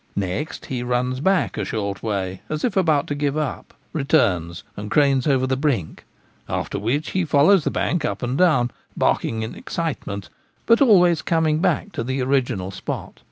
Next he runs back a short way as if about to give it up ; returns, and cranes over the brink ; after which he follows the bank up and down, barking in excitement, but always coming back to the original spot.